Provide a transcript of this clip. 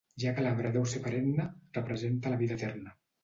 Ja que l'arbre deu ser perenne, representa la vida eterna.